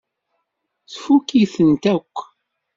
Tfukk-itent akk.